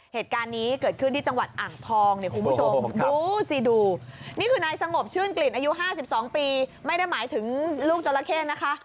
เหตุการณ์นี้เกิดขึ้นที่จังหวัดอ่างทองเนี่ยคุณผู้ชมดูสิดูนี่คือนายสงบชื่นกลิ่นอายุ๕๒ปีไม่ได้หมายถึงลูกจราเข้นะคะ